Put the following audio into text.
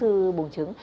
u bồn trứng